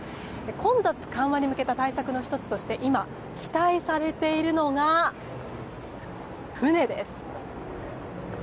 混雑緩和に向けた対策の１つとして今、期待されているのが船です。